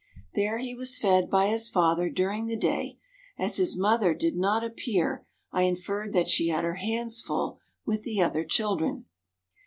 There he was fed by his father during the day; as his mother did not appear I inferred that she had her hands full with the other children.